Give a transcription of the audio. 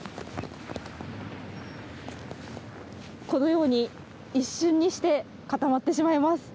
このように一瞬にして固まってしまいます。